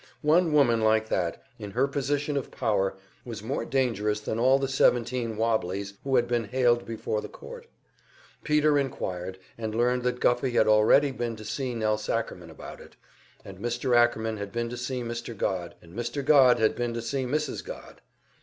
One woman like that, in her position of power, was more dangerous than all the seventeen "wobblies" who had been haled before the court. Peter inquired, and learned that Guffey had already been to see Nelse Ackerman about it, and Mr. Ackerman had been to see Mr. Godd, and Mr. Godd had been to see Mrs. Godd.